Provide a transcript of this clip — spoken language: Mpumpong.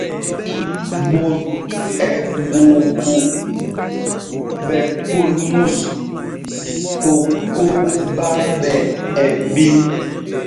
Ɓot ɛɓuuɓu ɓɛ kúl mus, kokō ɓá ɓɛ ɛɓīm.